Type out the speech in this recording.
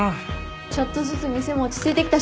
ちょっとずつ店も落ち着いてきたしね。